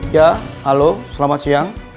ya halo selamat siang